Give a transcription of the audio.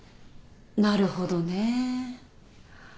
なるほどねぇ。